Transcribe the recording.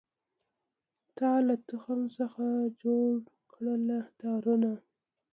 تا له تخم څخه جوړکړله تارونه